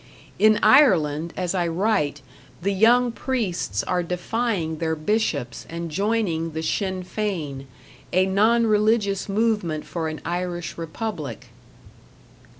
In Ireland, as I write, the young priests are defying their bishops and joining the Sinn Fein, a non religious movement for an Irish Republic.